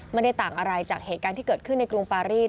ไม่ได้ต่างอะไรจากเหตุการณ์ที่เกิดขึ้นในกรุงปารีส